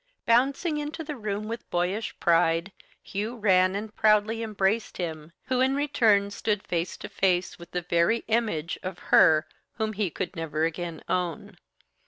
Bouncing into the room with boyish pride, Hugh ran and proudly embraced him, who, in return, stood face to face with the very image of her whom he could never again own.